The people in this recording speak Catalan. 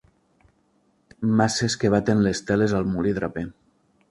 Maces que baten les teles al molí draper.